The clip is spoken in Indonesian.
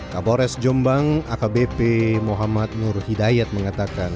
kapolres jombang akbp muhammad nur hidayat mengatakan